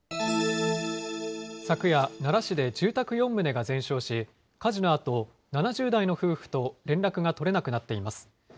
昨夜、奈良市で住宅４棟が全焼し、火事のあと、７０代の夫婦と連絡が取れなくなっています。